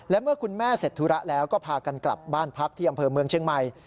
และเมื่อคุณแม่เสร็จธุระแล้วก็พากันกลับบ้านพักที่อำเภอเมืองเชียงใหม่